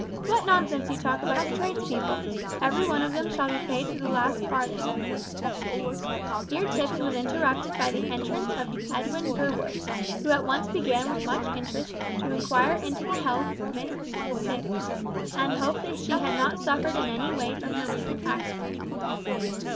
What nonsense you talk about your trades people! Every one of them shall be paid to the last farthing " Here Tipps was interrupted by the entrance of Edwin Gurwood, who at once began with much interest to inquire into the health of Mrs Tipps, and hoped that she had not suffered in any way from her recent accident.